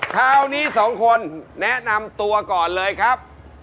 คราวนี้สองคนแนะนำตัวก่อนเลยครับ